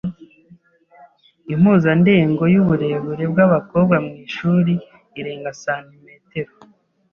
Impuzandengo yuburebure bwabakobwa mwishuri irenga santimetero .